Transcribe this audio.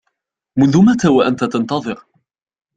منذ متى وأنت تنتظر ؟